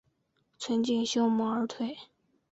存敬修盟而退。